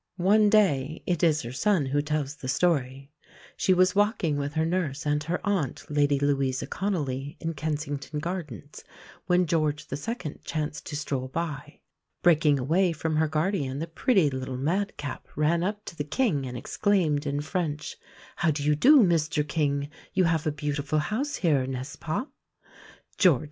One day (it is her son who tells the story) she was walking with her nurse and her aunt, Lady Louisa Conolly, in Kensington Gardens, when George II. chanced to stroll by. Breaking away from her guardian the pretty little madcap ran up to the King and exclaimed in French: "How do you do, Mr King? You have a beautiful house here, n'est ce pas?"